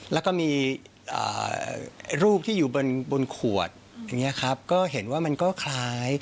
แล้วก็มีรูปที่อยู่บนขวดอย่างนี้ครับก็เห็นว่ามันก็คล้าย